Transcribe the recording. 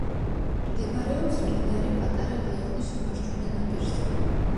მდებარეობს მდინარე პატარა ლიახვის მარჯვენა ნაპირზე.